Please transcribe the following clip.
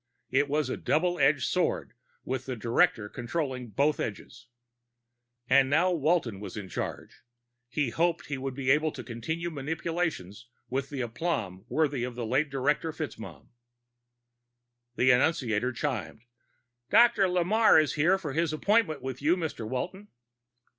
It was a double edged sword with the director controlling both edges. And now Walton was in charge. He hoped he would be able to continue manipulations with an aplomb worthy of the late Director FitzMaugham. The annunciator chimed. "Dr. Lamarre is here for his appointment with you, Mr. Walton."